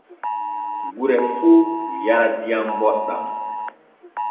Gure fuu yara diam boɗɗan.